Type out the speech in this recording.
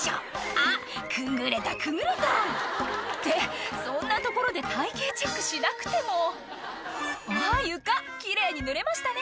「あっくぐれたくぐれた」ってそんな所で体形チェックしなくてもあっ床奇麗に塗れましたね